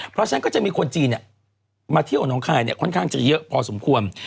เพราะฉะนั้นก็จะมีคนจีนมาเที่ยวน้องคายค่อนข้างจะเยอะพอสมควร